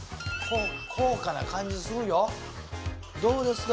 高価な感じするよどうですか？